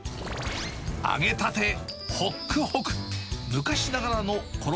揚げたて、ほっくほく。